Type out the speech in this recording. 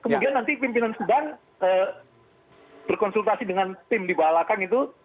kemudian nanti pimpinan sidang berkonsultasi dengan tim di balakang itu